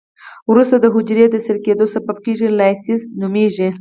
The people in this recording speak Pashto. وروسته د حجري د څیرې کیدو سبب کیږي چې لایزس نومېږي.